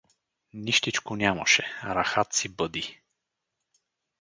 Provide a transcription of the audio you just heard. — Нищичко нямаше, рахат си бъди.